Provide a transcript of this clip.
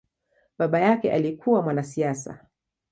Baba yake alikua mwanasiasa.